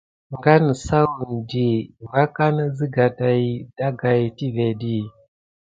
Ngan nisawudi vakana nizeŋga ɗegaï tivé ɗi.